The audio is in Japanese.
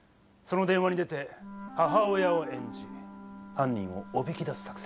その電話に出て母親を演じ犯人をおびき出す作戦だ。